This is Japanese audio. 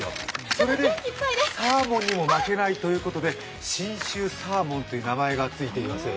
それでサーモンにも負けないということで、信州サーモンという名前がついています。